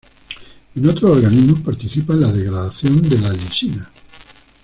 En otros organismos participa en la degradación de la lisina.